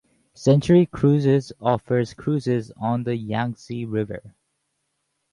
Century Cruises offers cruises on the Yangtze river.